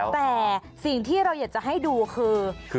แต่สิ่งที่เราอยากจะให้ดูคือ